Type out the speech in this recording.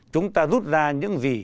chúng ta rút ra những gì